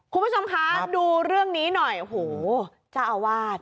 คุณผู้ชมคะดูเรื่องนี้หน่อยโอ้โหเจ้าอาวาส